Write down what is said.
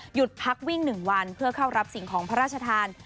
หยุดพักวิ่ง๑วันเพื่อเข้ารับสิ่งของพระราชทาน